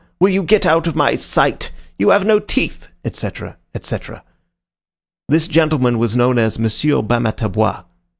—Will you get out of my sight?—You have no teeth!" etc., etc. This gentleman was known as M. Bamatabois.